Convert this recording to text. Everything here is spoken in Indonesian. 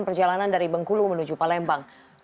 perjalanan dari bengkulu menuju palembang